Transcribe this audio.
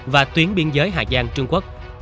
và tuyến biên giới hà giang trung quốc